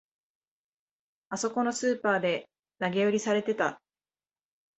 あそこのスーパーで投げ売りされてた